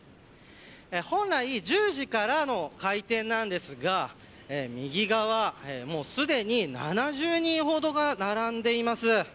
本来１０時からの開店なんですが右側、もうすでに７０人ほどが並んでいます。